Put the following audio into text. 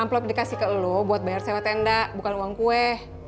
amplop dikasih ke lo buat bayar sewa tenda bukan uang kue